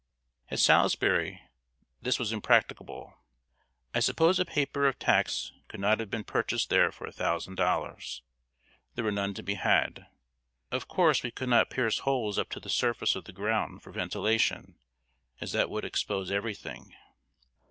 ] At Salisbury this was impracticable. I suppose a paper of tacks could not have been purchased there for a thousand dollars. There were none to be had. Of course we could not pierce holes up to the surface of the ground for ventilation, as that would expose every thing.